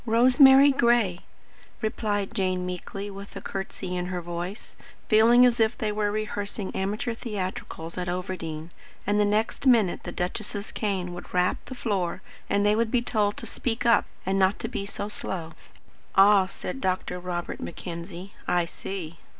"Rosemary Gray," replied Jane meekly, with a curtsey in her voice; feeling as if they were rehearsing amateur theatricals at Overdene, and the next minute the duchess's cane would rap the floor and they would be told to speak up and not be so slow. "Ah," said Dr. Robert Mackenzie, "I see."